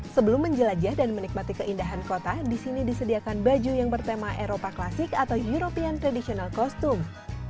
sebelum menjelajah dan menikmati keindahan kota disini disediakan baju yang bertema eropa klasik atau european traditional costume